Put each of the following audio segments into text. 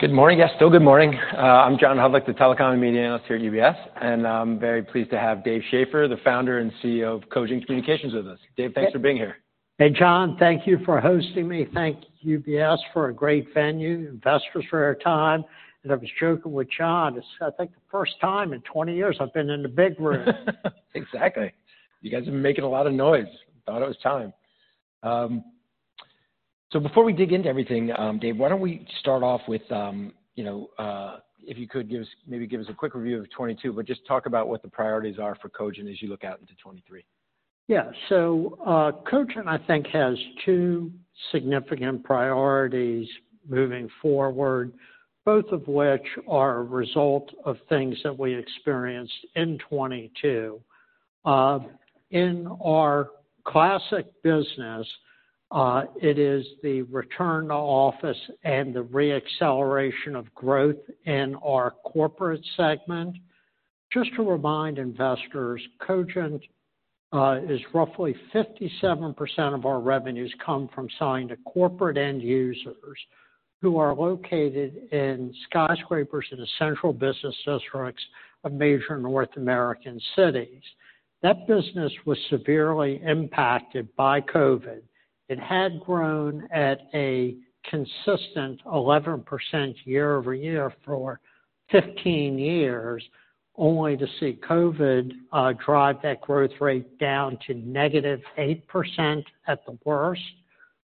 Good morning. Yes, still good morning. I'm John Hodulik, the telecom and media analyst here at UBS, and I'm very pleased to have Dave Schaeffer, the founder and CEO of Cogent Communications, with us. Dave, thanks for being here. Hey, John. Thank you for hosting me. Thank you, UBS, for a great venue, investors for their time. I was joking with John, this is, I think, the first time in 20 years I've been in the big room. Exactly. You guys have been making a lot of noise. Thought it was time. Before we dig into everything, Dave, why don't we start off with, you know, if you could maybe give us a quick review of 2022, but just talk about what the priorities are for Cogent as you look out into 2023. Yeah. Cogent, I think, has two significant priorities moving forward, both of which are a result of things that we experienced in 2022. In our classic business, it is the return to office and the re-acceleration of growth in our corporate segment. Just to remind investors, Cogent is roughly 57% of our revenues come from selling to corporate end users who are located in skyscrapers in the central business districts of major North American cities. That business was severely impacted by COVID. It had grown at a consistent 11% year-over-year for 15 years, only to see COVID drive that growth rate down to -8% at the worst.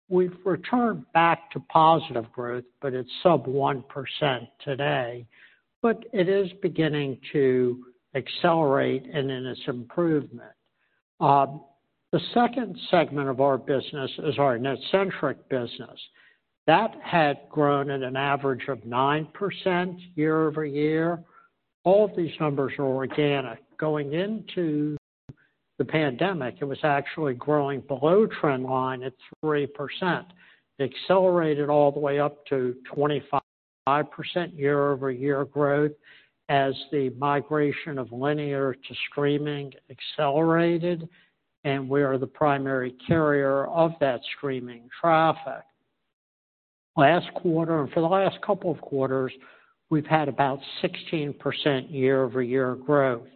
We've returned back to positive growth, but it's sub 1% today. It is beginning to accelerate and in its improvement. The second segment of our business is our NetCentric business. That had grown at an average of 9% year-over-year. All these numbers are organic. Going into the pandemic, it was actually growing below trend line at 3%. It accelerated all the way up to 25% year-over-year growth as the migration of linear to streaming accelerated, and we are the primary carrier of that streaming traffic. Last quarter, and for the last couple of quarters, we've had about 16% year-over-year growth.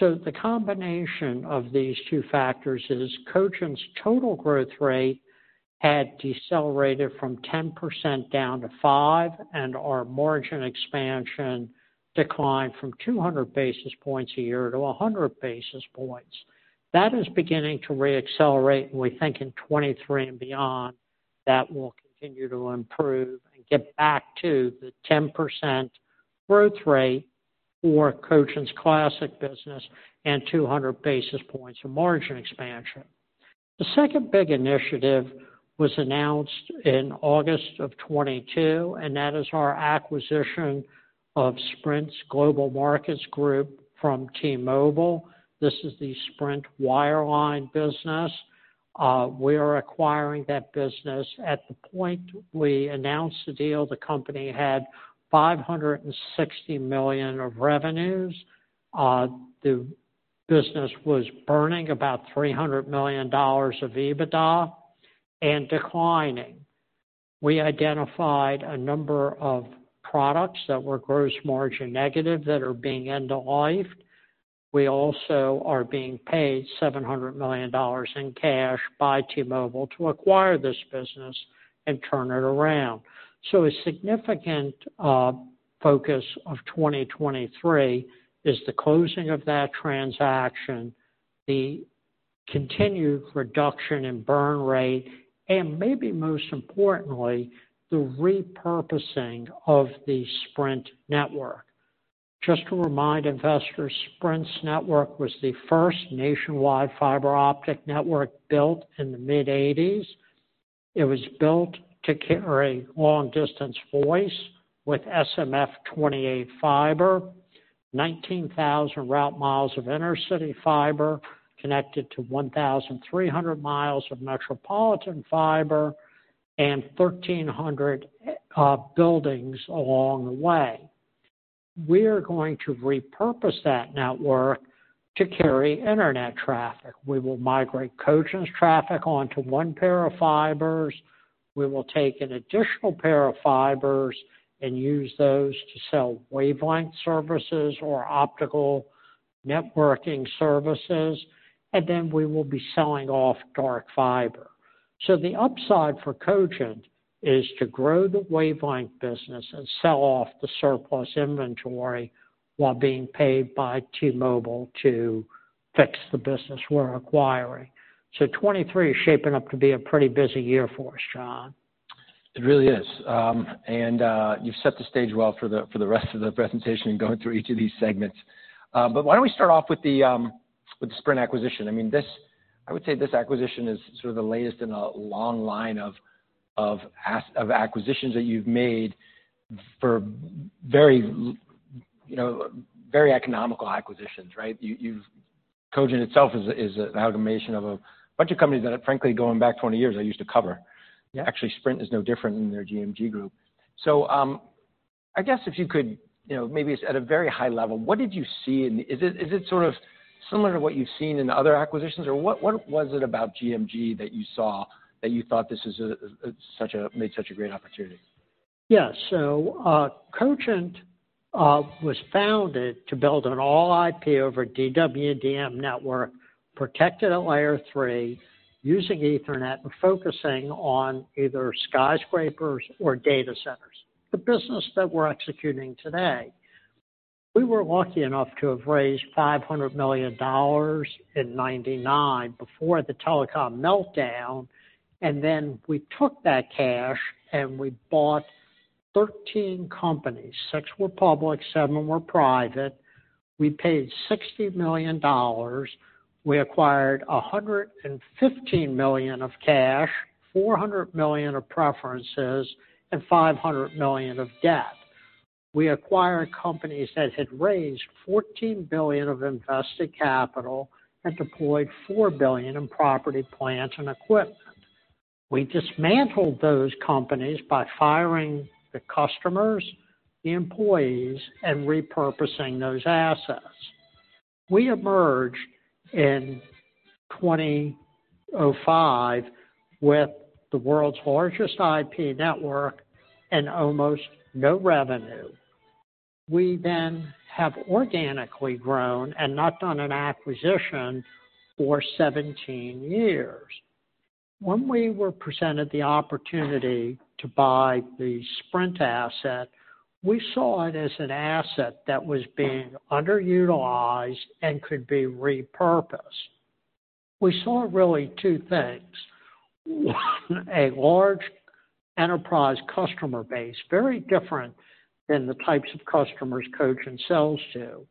The combination of these two factors is Cogent's total growth rate had decelerated from 10% down to 5%, and our margin expansion declined from 200 basis points a year to 100 basis points. That is beginning to re-accelerate. We think in 2023 and beyond, that will continue to improve and get back to the 10% growth rate for Cogent's classic business and 200 basis points of margin expansion. The second big initiative was announced in August of 2022. That is our acquisition of Sprint Global Markets Group from T-Mobile. This is the Sprint wireline business. We are acquiring that business. At the point we announced the deal, the company had $560 million of revenues. The business was burning about $300 million of EBITDA and declining. We identified a number of products that were gross margin negative that are being end of lifed. We also are being paid $700 million in cash by T-Mobile to acquire this business and turn it around. A significant focus of 2023 is the closing of that transaction, the continued reduction in burn rate, and maybe most importantly, the repurposing of the Sprint network. Just to remind investors, Sprint's network was the first nationwide fiber optic network built in the mid-eighties. It was built to carry long distance voice with SMF-28 fiber, 19,000 route miles of inner-city fiber connected to 1,300 miles of metropolitan fiber and 1,300 buildings along the way. We are going to repurpose that network to carry Internet traffic. We will migrate Cogent's traffic onto one pair of fibers. We will take an additional pair of fibers and use those to sell wavelength services or optical networking services, and then we will be selling off dark fiber. The upside for Cogent is to grow the wavelength business and sell off the surplus inventory while being paid by T-Mobile to fix the business we're acquiring. 2023 is shaping up to be a pretty busy year for us, John. It really is. You've set the stage well for the, for the rest of the presentation going through each of these segments. Why don't we start off with the, with the Sprint acquisition? I mean, I would say this acquisition is sort of the latest in a long line of acquisitions that you've made for very you know, very economical acquisitions, right? Cogent itself is a, is an amalgamation of a bunch of companies that frankly going back 20 years I used to cover. Actually, Sprint is no different in their GMG group. I guess if you could, you know, maybe it's at a very high level, what did you see in? Is it sort of similar to what you've seen in other acquisitions? What was it about GMG that you saw that you thought this is a made such a great opportunity? Yeah. Cogent was founded to build an all-IP-over-DWDM network, protected at Layer 3 using Ethernet, but focusing on either skyscrapers or data centers, the business that we're executing today. We were lucky enough to have raised $500 million in 1999 before the telecom meltdown, and then we took that cash, and we bought 13 companies. Six were public, seven were private. We paid $60 million. We acquired $115 million of cash, $400 million of preferences, and $500 million of debt. We acquired companies that had raised $14 billion of invested capital and deployed $4 billion in property, plant, and equipment. We dismantled those companies by firing the customers, the employees, and repurposing those assets. We emerged in 2005 with the world's largest IP network and almost no revenue. We have organically grown and not done an acquisition for 17 years. When we were presented the opportunity to buy the Sprint asset, we saw it as an asset that was being underutilized and could be repurposed. We saw really two things. One, a large enterprise customer base, very different than the types of customers Cogent sells to.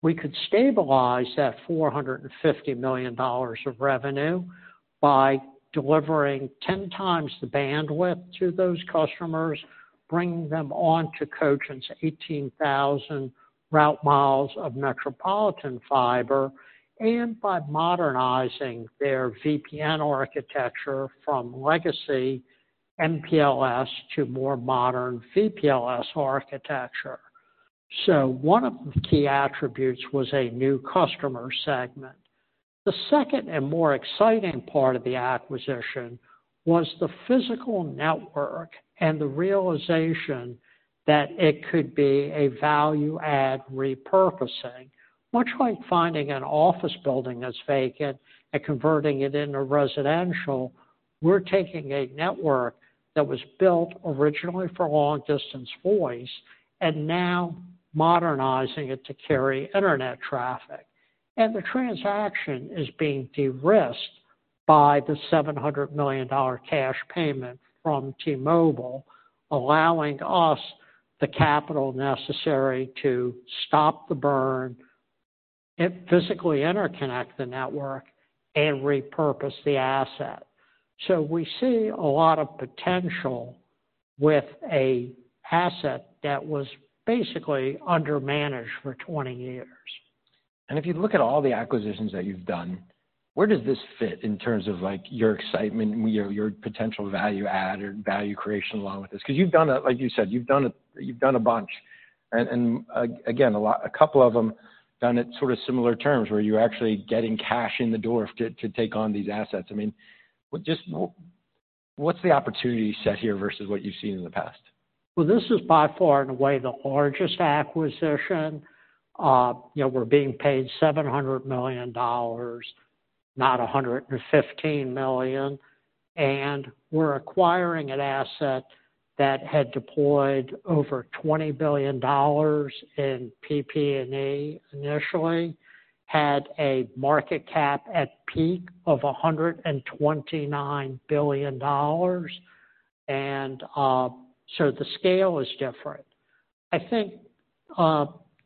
We could stabilize that $450 million of revenue by delivering 10 times the bandwidth to those customers, bringing them onto Cogent's 18,000 route miles of metropolitan fiber, and by modernizing their VPN architecture from legacy MPLS to more modern VPLS architecture. One of the key attributes was a new customer segment. The second and more exciting part of the acquisition was the physical network and the realization that it could be a value add repurposing. Much like finding an office building that's vacant and converting it into residential, we're taking a network that was built originally for long distance voice and now modernizing it to carry internet traffic. The transaction is being de-risked by the $700 million cash payment from T-Mobile, allowing us the capital necessary to stop the burn and physically interconnect the network and repurpose the asset. We see a lot of potential with a asset that was basically under managed for 20 years. If you look at all the acquisitions that you've done, where does this fit in terms of, like, your excitement, you know, your potential value add or value creation along with this? 'Cause, like you said, you've done a bunch. Again, a lot, a couple of them done at sort of similar terms, where you're actually getting cash in the door to take on these assets. I mean, just what's the opportunity set here versus what you've seen in the past? Well, this is by far and away the largest acquisition. you know, we're being paid $700 million, not $115 million. We're acquiring an asset that had deployed over $20 billion in PPA initially, had a market cap at peak of $129 billion, and so the scale is different. I think,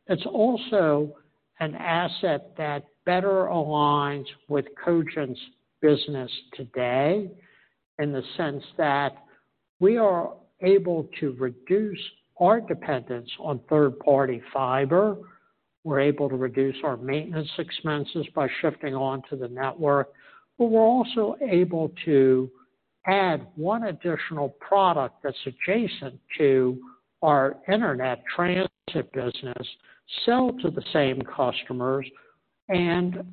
it's also an asset that better aligns with Cogent's business today in the sense that we are able to reduce our dependence on third-party fiber. We're able to reduce our maintenance expenses by shifting onto the network. We're also able to add one additional product that's adjacent to our Internet Transit business, sell to the same customers, and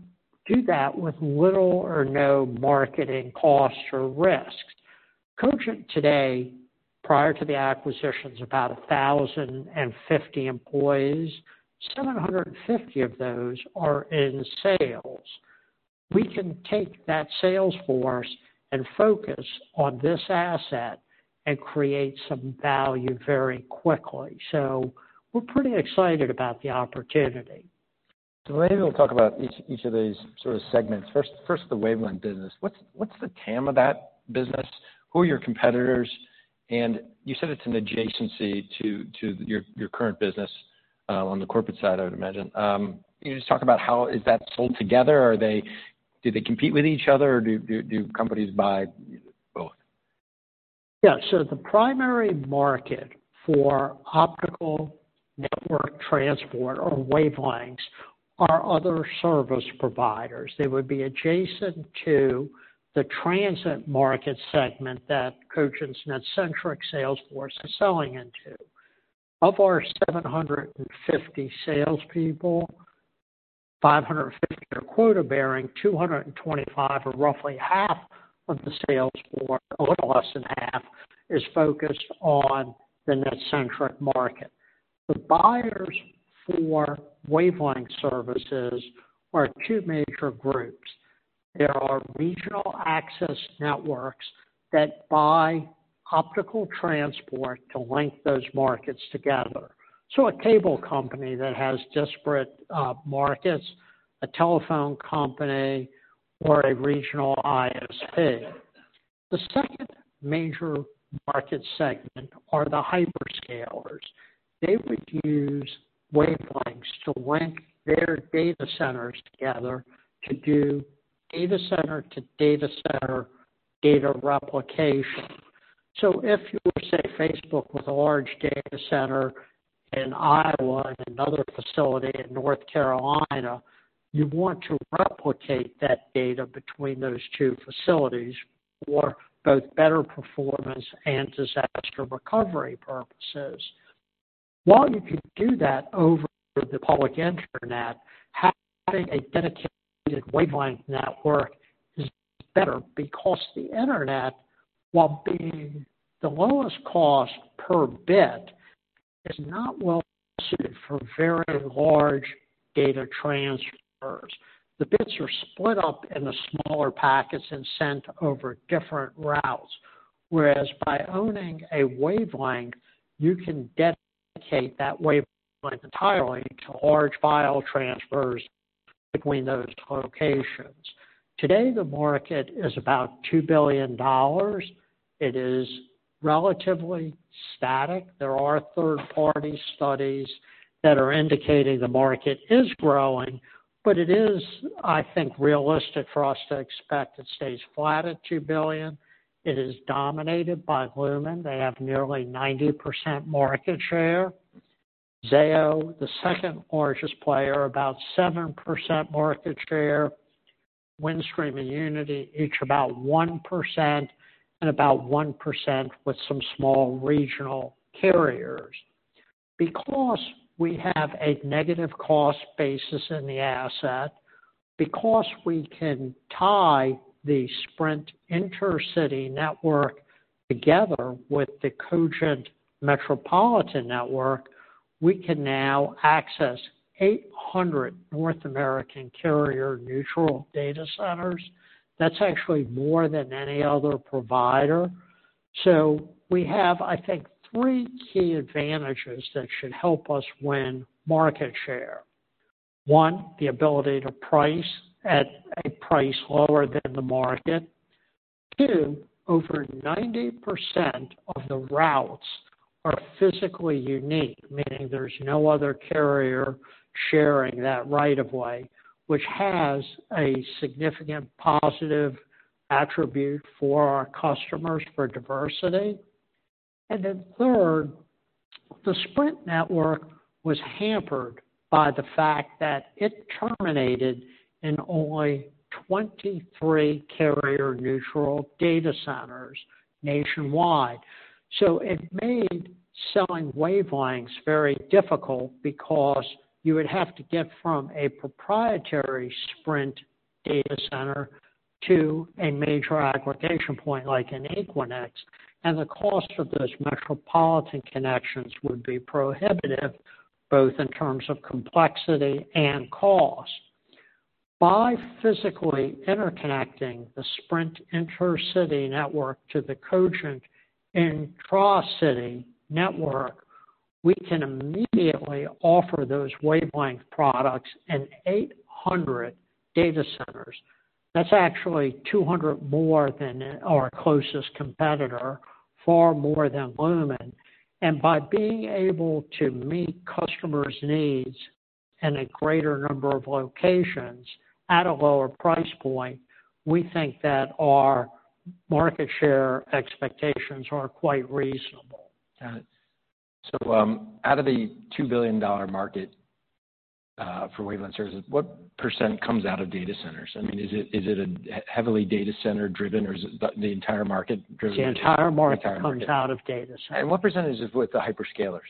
do that with little or no marketing costs or risks. Cogent today, prior to the acquisition, is about 1,050 employees. 750 of those are in sales. We can take that sales force and focus on this asset and create some value very quickly. We're pretty excited about the opportunity. Maybe we'll talk about each of these sort of segments. First the wavelength business. What's the TAM of that business? Who are your competitors? You said it's an adjacency to your current business on the corporate side, I would imagine. Can you just talk about how? Is that sold together? Do they compete with each other or do companies buy both? The primary market for optical network transport or wavelengths are other service providers. They would be adjacent to the transit market segment that Cogent's NetCentric sales force is selling into. Of our 750 salespeople, 550 are quota-bearing, 225 or roughly half of the sales force, a little less than half, is focused on the NetCentric market. The buyers for wavelength services are two major groups. There are regional access networks that buy optical transport to link those markets together. A cable company that has disparate markets, a telephone company, or a regional ISP. The second major market segment are the hyperscalers. They would use wavelengths to link their data centers together to do data center to data center data replication. If you were, say, Facebook with a large data center in Iowa and another facility in North Carolina, you want to replicate that data between those two facilities for both better performance and disaster recovery purposes. While you could do that over the public internet, having a dedicated wavelength network is better because the internet, while being the lowest cost per bit, is not well suited for very large data transfers. The bits are split up into smaller packets and sent over different routes, whereas by owning a wavelength, you can dedicate that wavelength entirely to large file transfers between those locations. Today, the market is about $2 billion. It is relatively static. There are third-party studies that are indicating the market is growing, but it is, I think, realistic for us to expect it stays flat at $2 billion. It is dominated by Lumen. They have nearly 90% market share. Zayo, the second-largest player, about 7% market share. Windstream and Uniti, each about 1%, and about 1% with some small regional carriers. Because we have a negative cost basis in the asset, because we can tie the Sprint intercity network together with the Cogent metropolitan network, we can now access 800 North American carrier-neutral data centers. That's actually more than any other provider. We have, I think, three key advantages that should help us win market share. One, the ability to price at a price lower than the market. Two, over 90% of the routes are physically unique, meaning there's no other carrier sharing that right of way, which has a significant positive attribute for our customers for diversity. Third, the Sprint network was hampered by the fact that it terminated in only 23 carrier-neutral data centers nationwide. It made selling wavelengths very difficult because you would have to get from a proprietary Sprint data center to a major aggregation point like an Equinix, and the cost of those metropolitan connections would be prohibitive, both in terms of complexity and cost. By physically interconnecting the Sprint intercity network to the Cogent intracity network, we can immediately offer those wavelength products in 800 data centers. That's actually 200 more than our closest competitor, far more than Lumen. By being able to meet customers' needs in a greater number of locations at a lower price point, we think that our market share expectations are quite reasonable. Got it. Out of the $2 billion market for wavelength services, what percent comes out of data centers? I mean, is it a heavily data center driven or is it the entire market driven? The entire market- The entire market. comes out of data centers. What percentage is with the hyperscalers?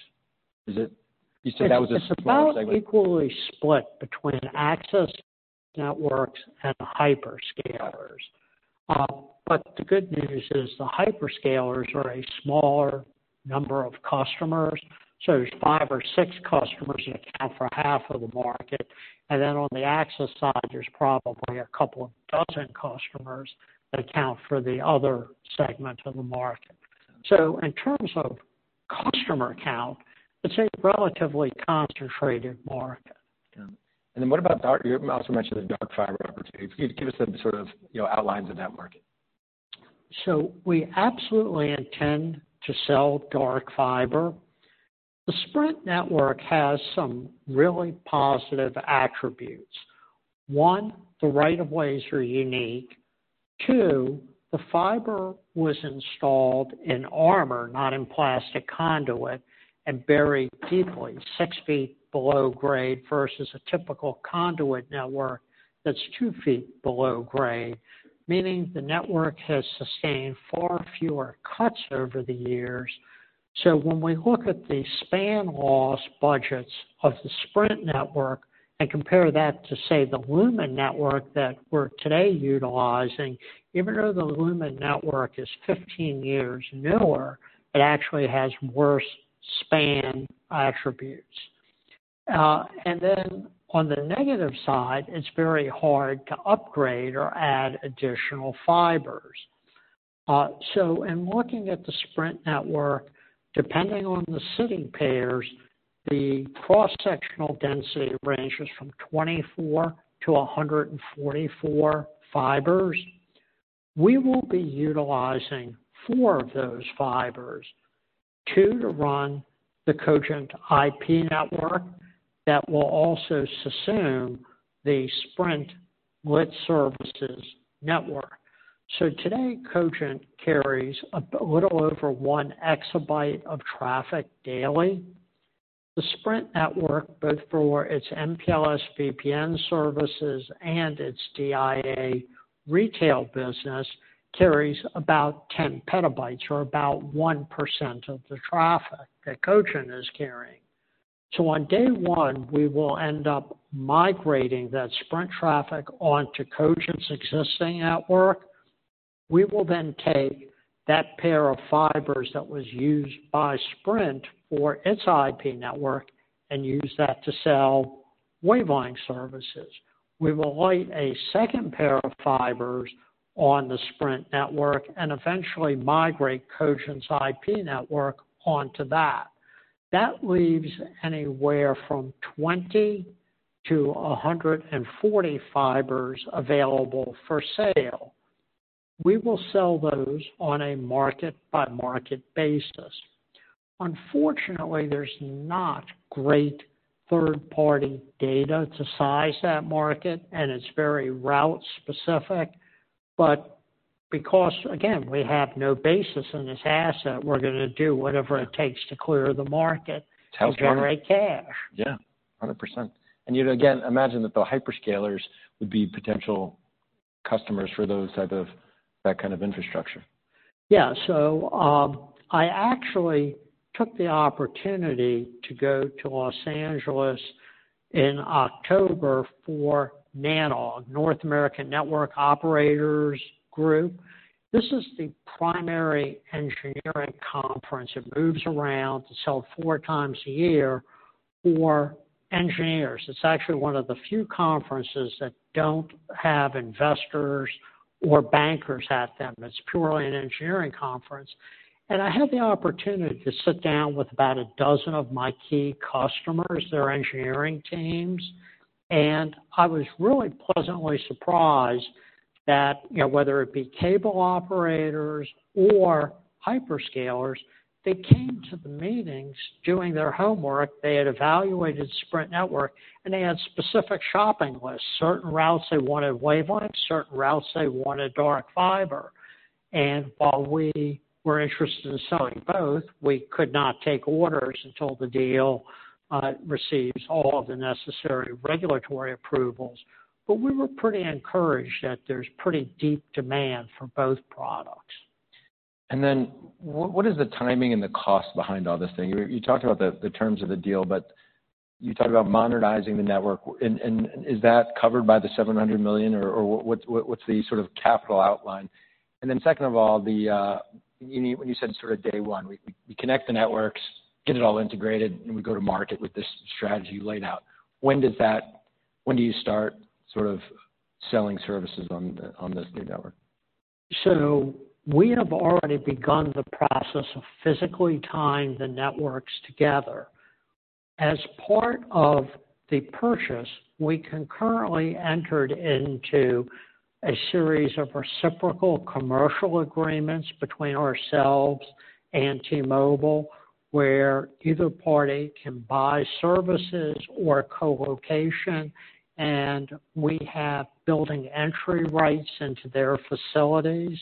You said that was a small segment. It's about equally split between access networks and hyperscalers. The good news is the hyperscalers are a smaller number of customers. There's five or six customers that account for half of the market, on the access side, there's probably a couple of dozen customers that account for the other segment of the market. Got it. In terms of customer count, it's a relatively concentrated market. Got it. What about dark, you also mentioned the dark fiber opportunity. Can you give us the sort of, you know, outlines of that market? We absolutely intend to sell dark fiber. The Sprint network has some really positive attributes. One, the right of ways are unique. Two, the fiber was installed in armor, not in plastic conduit, and buried deeply six feet below grade versus a typical conduit network that's two feet below grade, meaning the network has sustained far fewer cuts over the years. When we look at the span loss budgets of the Sprint network and compare that to, say, the Lumen network that we're today utilizing, even though the Lumen network is 15 years newer, it actually has worse span attributes. And then on the negative side, it's very hard to upgrade or add additional fibers. In looking at the Sprint network, depending on the sitting pairs, the cross-sectional density ranges from 24 to 144 fibers. We will be utilizing four of those fibers, two to run the Cogent IP network that will also subsume the Sprint lit services network. Today, Cogent carries a little over one exabyte of traffic daily. The Sprint network, both for its MPLS VPN services and its DIA retail business, carries about 10 PB, or about 1% of the traffic that Cogent is carrying. On day one, we will end up migrating that Sprint traffic onto Cogent's existing network. We will take that pair of fibers that was used by Sprint for its IP network and use that to sell wavelength services. We will light a second pair of fibers on the Sprint network and eventually migrate Cogent's IP network onto that. That leaves anywhere from 20 to 140 fibers available for sale. We will sell those on a market-by-market basis. Unfortunately, there's not great third-party data to size that market, and it's very route specific, but because, again, we have no basis in this asset, we're gonna do whatever it takes to clear the market to generate cash. Yeah, 100%. You'd, again, imagine that the hyperscalers would be potential customers for that kind of infrastructure. Yeah. I actually took the opportunity to go to Los Angeles in October for NANOG, North American Network Operators' Group. This is the primary engineering conference. It moves around. It's held four times a year for engineers. It's actually one of the few conferences that don't have investors or bankers at them. It's purely an engineering conference. I had the opportunity to sit down with about 12 of my key customers, their engineering teams, and I was really pleasantly surprised that, you know, whether it be cable operators or hyperscalers, they came to the meetings doing their homework. They had evaluated Sprint network, and they had specific shopping lists, certain routes they wanted wavelength, certain routes they wanted dark fiber. While we were interested in selling both, we could not take orders until the deal receives all of the necessary regulatory approvals. We were pretty encouraged that there's pretty deep demand for both products. What is the timing and the cost behind all this thing? You talked about the terms of the deal, but you talked about modernizing the network. Is that covered by the $700 million, or what's the sort of capital outline? Second of all, you when you said sort of day one, we connect the networks, get it all integrated, and we go to market with this strategy laid out. When do you start sort of selling services on this new network? We have already begun the process of physically tying the networks together. As part of the purchase, we concurrently entered into a series of reciprocal commercial agreements between ourselves and T-Mobile, where either party can buy services or colocation, and we have building entry rights into their facilities.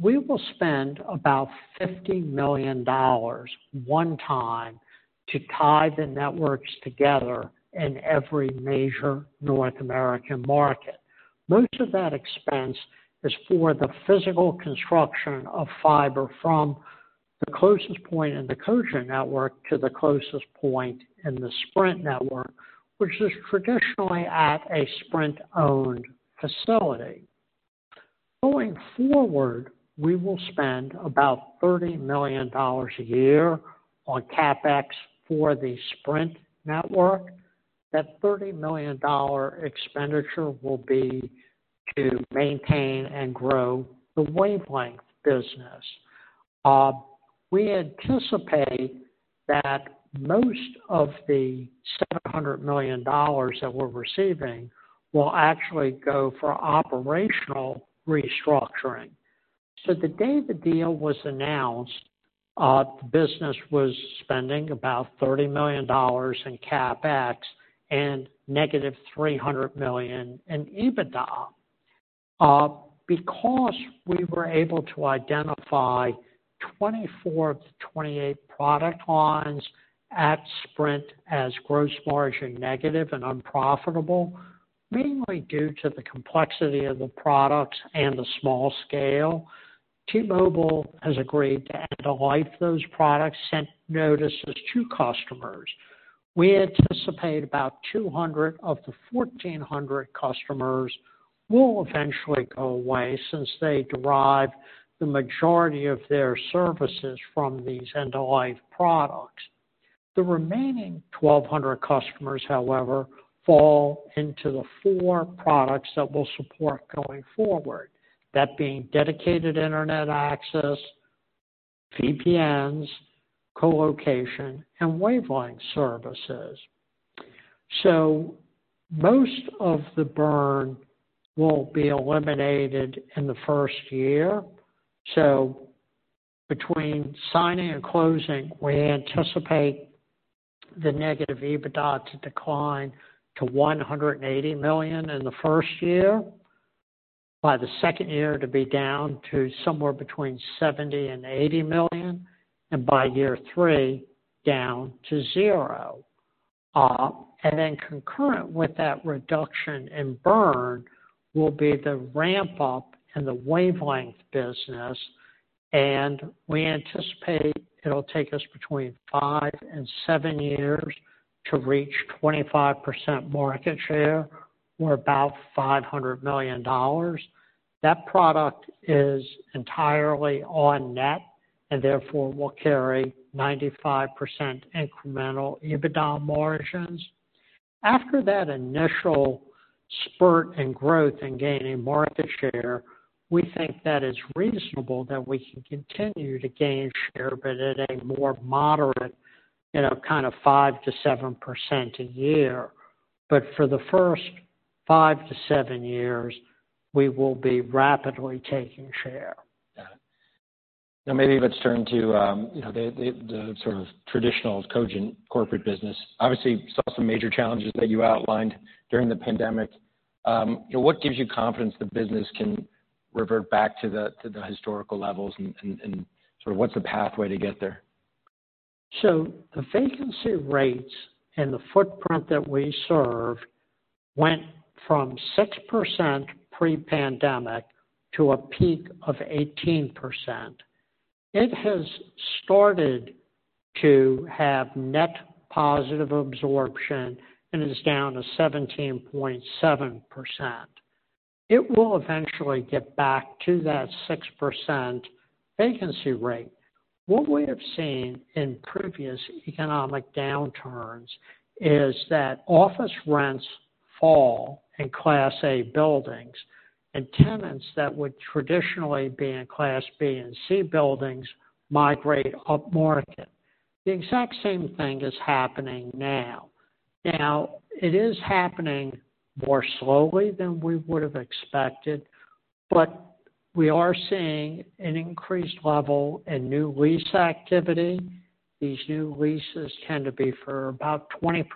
We will spend about $50 million one time to tie the networks together in every major North American market. Most of that expense is for the physical construction of fiber from the closest point in the Cogent network to the closest point in the Sprint network, which is traditionally at a Sprint-owned facility. Going forward, we will spend about $30 million a year on CapEx for the Sprint network. That $30 million expenditure will be to maintain and grow the wavelength business. We anticipate that most of the $700 million that we're receiving will actually go for operational restructuring. The day the deal was announced, the business was spending about $30 million in CapEx and -$300 million in EBITDA. Because we were able to identify 24-28 product lines at Sprint as gross margin negative and unprofitable, mainly due to the complexity of the products and the small scale, T-Mobile has agreed to end the life of those products, sent notices to customers. We anticipate about 200 of the 1,400 customers will eventually go away since they derive the majority of their services from these end-of-life products. The remaining 1,200 customers, however, fall into the four products that we'll support going forward. That being dedicated Internet access, VPNs, co-location, and wavelength services. Most of the burn will be eliminated in the first year. Between signing and closing, we anticipate the negative EBITDA to decline to $180 million in the first year, by the second year to be down to somewhere between $70 million and $80 million, and by year three, down to zero. Concurrent with that reduction in burn will be the ramp-up in the wavelength business, and we anticipate it'll take us between five and seven years to reach 25% market share, or about $500 million. That product is entirely on net and therefore will carry 95% incremental EBITDA margins. After that initial spurt in growth in gaining market share, we think that it's reasonable that we can continue to gain share, but at a more moderate, you know, kind of 5%-7% a year. For the first five to seven years, we will be rapidly taking share. Yeah. Maybe let's turn to, you know, the, the sort of traditional Cogent corporate business. Obviously, you saw some major challenges that you outlined during the pandemic. you know, what gives you confidence the business can revert back to the, to the historical levels and, and sort of what's the pathway to get there? The vacancy rates and the footprint that we serve went from 6% pre-pandemic to a peak of 18%. It has started to have net positive absorption and is down to 17.7%. It will eventually get back to that 6% vacancy rate. What we have seen in previous economic downturns is that office rents fall in Class A buildings and tenants that would traditionally be in Class B and C buildings migrate upmarket. The exact same thing is happening now. It is happening more slowly than we would have expected, but we are seeing an increased level in new lease activity. These new leases tend to be for about 20%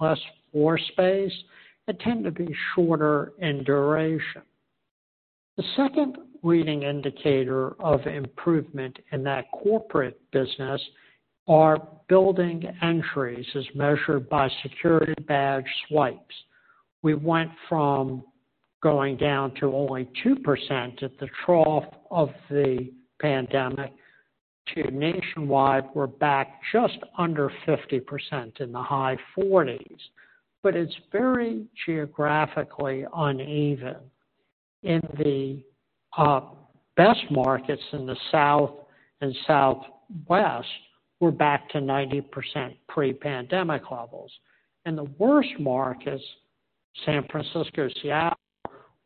less floor space and tend to be shorter in duration. The second leading indicator of improvement in that corporate business are building entries as measured by security badge swipes. We went from going down to only 2% at the trough of the pandemic to nationwide, we're back just under 50% in the high 40s, but it's very geographically uneven. In the best markets in the South and Southwest, we're back to 90% pre-pandemic levels. In the worst markets, San Francisco, Seattle,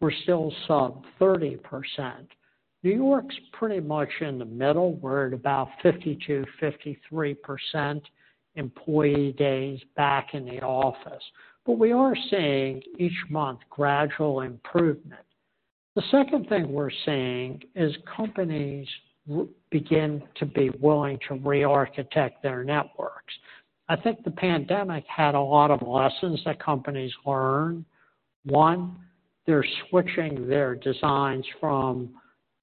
we're still sub 30%. New York's pretty much in the middle. We're at about 52%-53% employee days back in the office. We are seeing each month gradual improvement. The second thing we're seeing is companies begin to be willing to re-architect their networks. I think the pandemic had a lot of lessons that companies learned. One, they're switching their designs from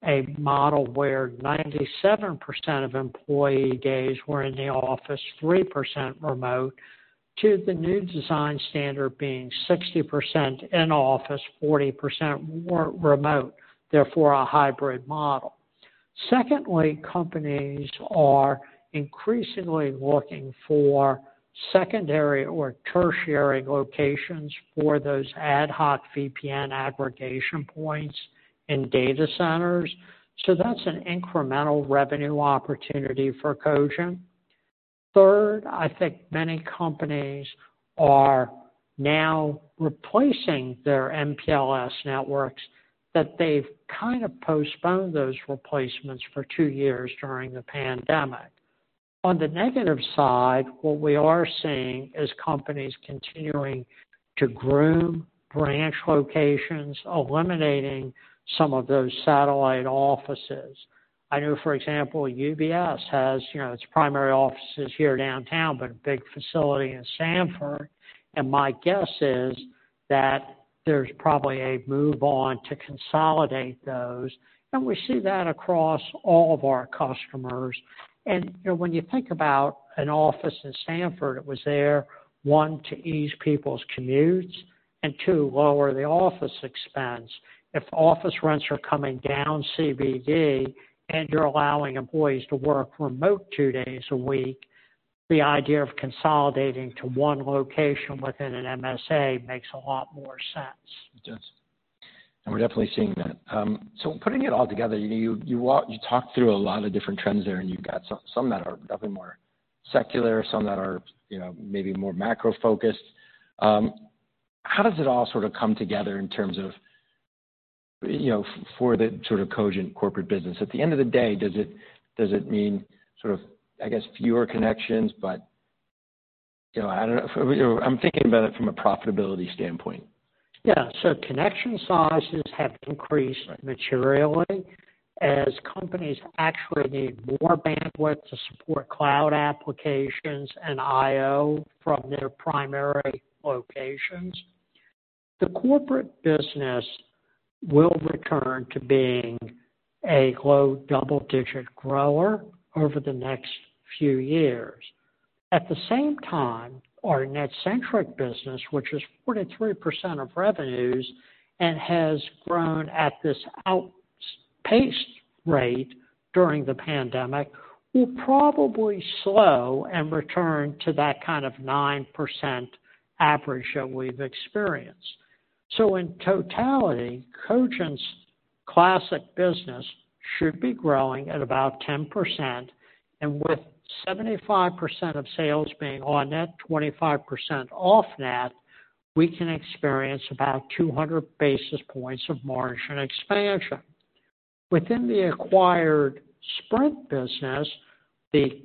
a model where 97% of employee days were in the office, 3% remote, to the new design standard being 60% in office, 40% remote, therefore a hybrid model. Companies are increasingly looking for secondary or tertiary locations for those ad hoc VPN aggregation points in data centers. That's an incremental revenue opportunity for Cogent. I think many companies are now replacing their MPLS networks that they've kind of postponed those replacements for two years during the pandemic. On the negative side, what we are seeing is companies continuing to groom branch locations, eliminating some of those satellite offices. I know, for example, UBS has, you know, its primary offices here downtown, but a big facility in Stamford. My guess is that there's probably a move on to consolidate those. We see that across all of our customers. You know, when you think about an office in Stamford, it was there, one, to ease people's commutes, and two, lower the office expense. If office rents are coming down CBD, and you're allowing employees to work remote two days a week, the idea of consolidating to one location within an MSA makes a lot more sense. It does. We're definitely seeing that. Putting it all together, you know, you talk through a lot of different trends there, and you've got some that are definitely more secular, some that are, you know, maybe more macro-focused. How does it all sort of come together in terms of, you know, for the sort of Cogent corporate business? At the end of the day, does it mean sort of, I guess, fewer connections, but, you know, I don't know. I'm thinking about it from a profitability standpoint. Yeah. Connection sizes have increased materially as companies actually need more bandwidth to support cloud applications and I/O from their primary locations. The corporate business will return to being a low double-digit grower over the next few years. At the same time, our NetCentric business, which is 43% of revenues and has grown at this outpaced rate during the pandemic, will probably slow and return to that kind of 9% average that we've experienced. In totality, Cogent's classic business should be growing at about 10%, and with 75% of sales being on-net, 25% off-net, we can experience about 200 basis points of margin expansion. Within the acquired Sprint business, the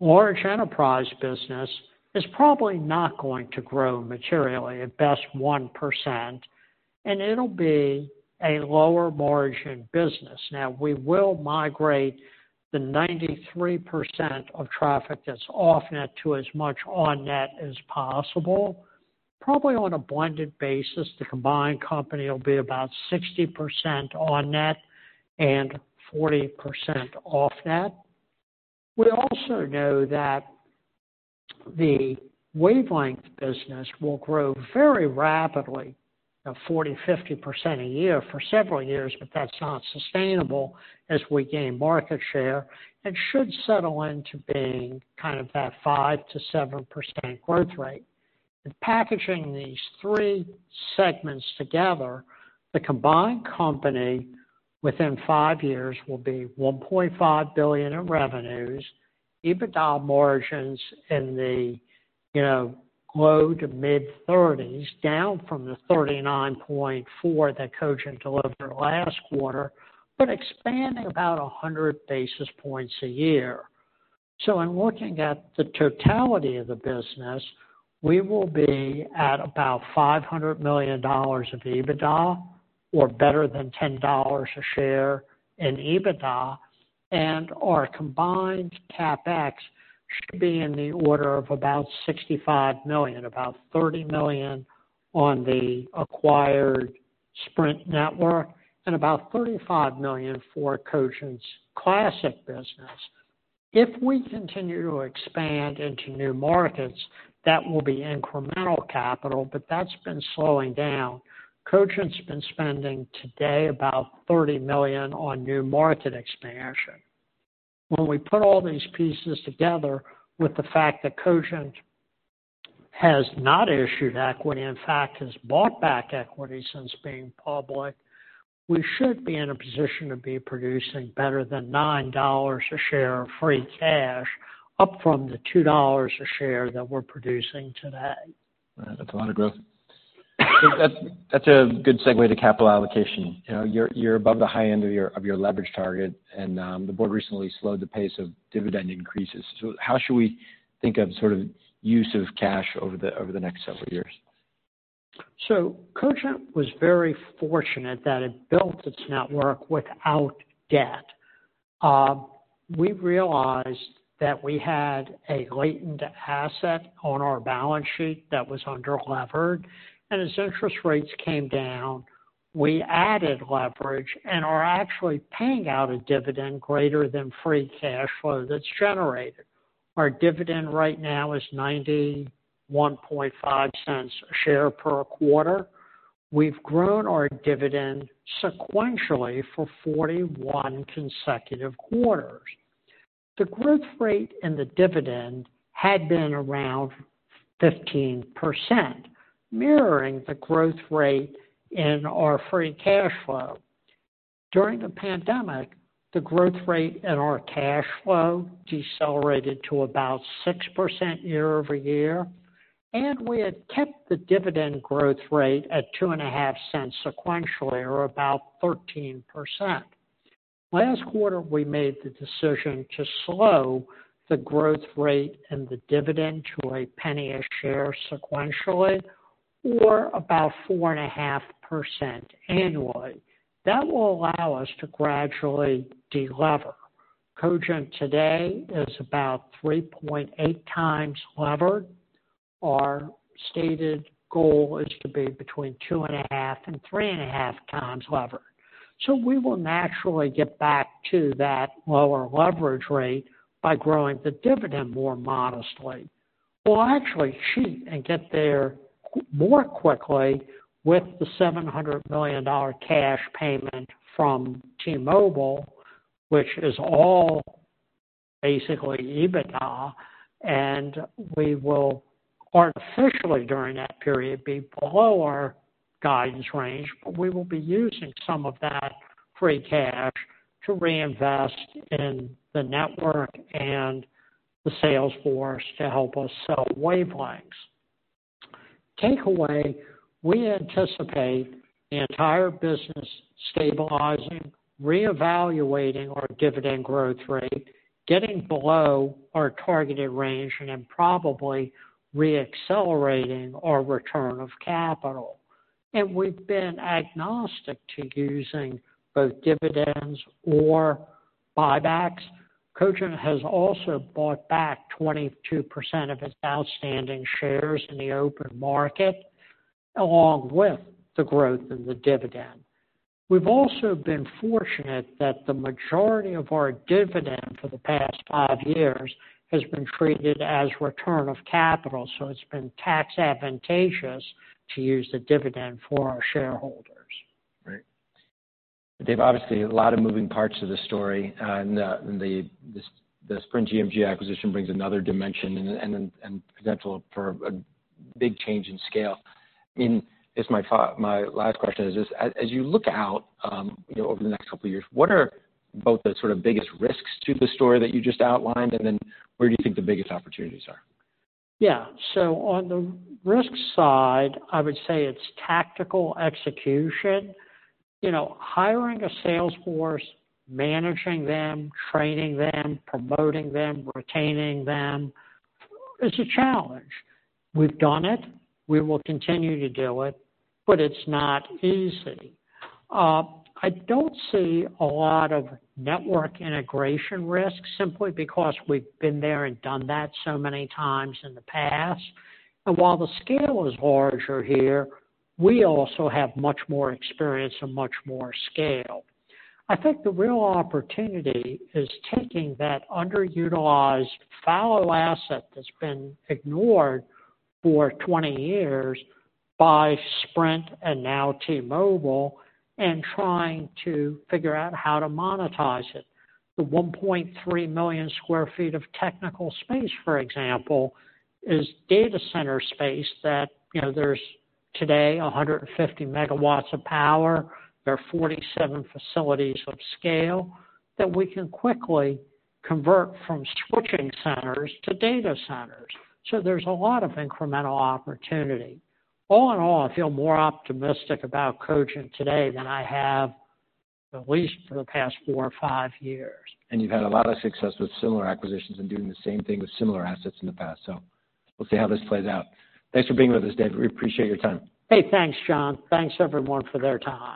large enterprise business is probably not going to grow materially, at best 1%, and it'll be a lower margin business. Now, we will migrate the 93% of traffic that's off-net to as much on-net as possible. Probably on a blended basis, the combined company will be about 60% on-net and 40% off-net. We also know that the wavelength business will grow very rapidly, you know, 40%, 50% a year for several years, but that's not sustainable as we gain market share and should settle into being kind of that 5%-7% growth rate. In packaging these three segments together, the combined company within five years will be $1.5 billion in revenues, EBITDA margins in the, you know, low to mid-30s%, down from the 39.4% that Cogent delivered last quarter, but expanding about 100 basis points a year. In looking at the totality of the business, we will be at about $500 million of EBITDA, or better than $10 a share in EBITDA. Our combined CapEx should be in the order of about $65 million, about $30 million on the acquired Sprint network and about $35 million for Cogent's classic business. If we continue to expand into new markets, that will be incremental capital, but that's been slowing down. Cogent's been spending today about $30 million on new market expansion. We put all these pieces together with the fact that Cogent has not issued equity, in fact, has bought back equity since being public, we should be in a position to be producing better than $9 a share of free cash, up from the $2 a share that we're producing today. That's a lot of growth. That's a good segue to capital allocation. You know, you're above the high end of your, of your leverage target, and the board recently slowed the pace of dividend increases. How should we think of sort of use of cash over the next several years? Cogent was very fortunate that it built its network without debt. We realized that we had a latent asset on our balance sheet that was under levered, and as interest rates came down, we added leverage and are actually paying out a dividend greater than free cash flow that's generated. Our dividend right now is $0.915 a share per quarter. We've grown our dividend sequentially for 41 consecutive quarters. The growth rate in the dividend had been around 15%, mirroring the growth rate in our free cash flow. During the pandemic, the growth rate in our cash flow decelerated to about 6% year-over-year. And we had kept the dividend growth rate at $0.025 sequentially, or about 13%. Last quarter, we made the decision to slow the growth rate and the dividend to a penny a share sequentially or about 4.5% annually. That will allow us to gradually de-lever. Cogent today is about 3.8 times levered. Our stated goal is to be between 2.5x-3.5x levered. We will naturally get back to that lower leverage rate by growing the dividend more modestly. We'll actually cheat and get there more quickly with the $700 million cash payment from T-Mobile, which is all basically EBITDA. We will artificially, during that period, be below our guidance range. We will be using some of that free cash to reinvest in the network and the sales force to help us sell wavelengths. Takeaway, we anticipate the entire business stabilizing, reevaluating our dividend growth rate, getting below our targeted range, and then probably re-accelerating our return of capital. We've been agnostic to using both dividends or buybacks. Cogent has also bought back 22% of its outstanding shares in the open market, along with the growth in the dividend. We've also been fortunate that the majority of our dividend for the past five years has been treated as return of capital, so it's been tax advantageous to use the dividend for our shareholders. Right. Dave, obviously a lot of moving parts to this story, and the Sprint GMG acquisition brings another dimension and potential for a big change in scale. I mean, I guess my last question is this: as you look out, you know, over the next couple of years, what are both the sort of biggest risks to the story that you just outlined, and then where do you think the biggest opportunities are? On the risk side, I would say it's tactical execution. You know, hiring a sales force, managing them, training them, promoting them, retaining them is a challenge. We've done it. We will continue to do it, but it's not easy. I don't see a lot of network integration risk simply because we've been there and done that so many times in the past. While the scale is larger here, we also have much more experience and much more scale. I think the real opportunity is taking that underutilized fallow asset that's been ignored for 20 years by Sprint and now T-Mobile and trying to figure out how to monetize it. The 1.3 million sq ft of technical space, for example, is data center space that, you know, there's today 150 megawatts of power. There are 47 facilities of scale that we can quickly convert from switching centers to data centers. There's a lot of incremental opportunity. All in all, I feel more optimistic about Cogent today than I have at least for the past four or five years. You've had a lot of success with similar acquisitions and doing the same thing with similar assets in the past. We'll see how this plays out. Thanks for being with us, Dave. We appreciate your time. Hey, thanks, John. Thanks everyone for their time.